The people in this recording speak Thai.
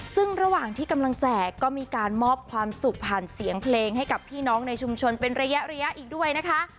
ซึ่งระหว่างที่กำลังแจกก็มีการมอบความสุขผ่านเสียงเพลงให้กับพี่น้องในชุมชนเป็นระยะระยะอีกด้วยนะคะ